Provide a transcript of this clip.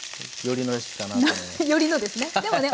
寄りのですね。